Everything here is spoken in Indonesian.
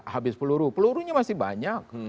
habis peluru pelurunya masih banyak